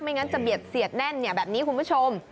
ไม่งั้นจะเบียบเสียดแน่นเนี่ยแบบนี้คุณผู้ชม